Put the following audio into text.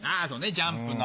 ジャンプの。